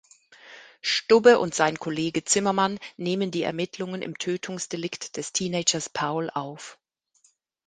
Stubbe und sein Kollege Zimmermann nehmen die Ermittlungen im Tötungsdelikt des Teenagers Paul auf.